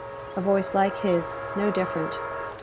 A voice like his: no different.